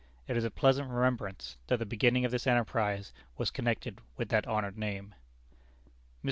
It is a pleasant remembrance that the beginning of this enterprise was connected with that honored name. Mr.